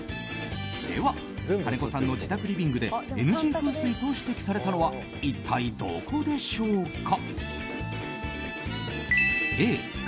では、金子さんの自宅リビングでＮＧ風水と指摘されたのは一体どこでしょうか。